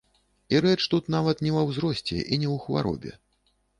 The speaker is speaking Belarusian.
І рэч тут нават не ва ўзросце і не ў хваробе.